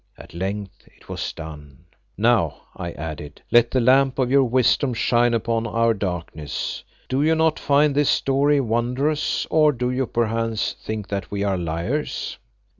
At length it was done. "Now," I added, "let the lamp of your wisdom shine upon our darkness. Do you not find this story wondrous, or do you perchance think that we are liars?"